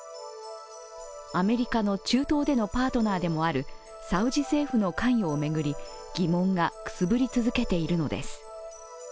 アメリカの中東でのパートナーでもあるサウジ政府の関与を巡り、疑問がくすぶり続けているのです。